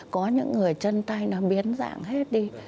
có những người chân tay nó biến dạng hết đi